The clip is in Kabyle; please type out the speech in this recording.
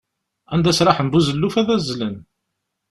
Anda sraḥen buzelluf ad azzlen.